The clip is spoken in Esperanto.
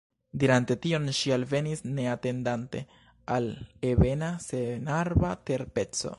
Dirante tion, ŝi alvenis, neatendante, al ebena senarba terpeco.